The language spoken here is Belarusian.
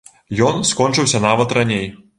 Ён скончыўся нават раней.